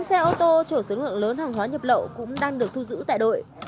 năm xe ô tô chỗ số lượng lớn hàng hóa nhập lậu cũng đang được thu giữ tại đội